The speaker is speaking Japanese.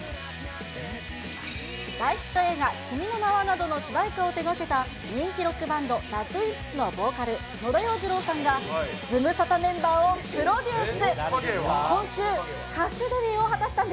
大ヒット映画、君の名は。などの主題歌を手がけた、人気ロックバンド、ラッドウィンプスのボーカル、野田洋次郎さんがズムサタメンバーをプロデュース。